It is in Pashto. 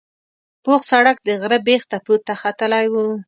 پوخ سړک د غره بیخ ته پورته ختلی و.